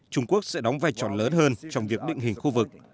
trung quốc sẽ đóng vai trò lớn hơn trong việc định hình khu vực